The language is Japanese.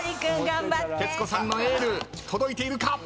徹子さんのエール届いているか！？